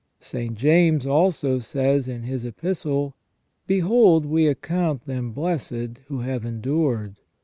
St. James also says, in his Epistle :" Behold we account them blessed who have endured.